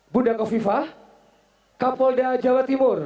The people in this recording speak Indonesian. bunda kofifah kapolda jawa timur